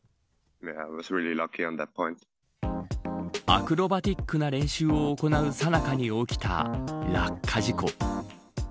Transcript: アクロバティックな練習を行うさなかに起きた落下事故。